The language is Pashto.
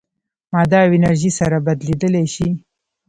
ماده او انرژي سره بدلېدلی شي.